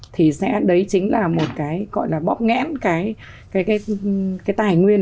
thì sẽ đấy chính là một cái gọi là bóp ngẽn cái tài nguyên